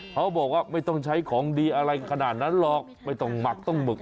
เขาบอกว่าไม่ต้องใช้ของดีอะไรขนาดนั้นหรอกไม่ต้องหมักต้องหมึก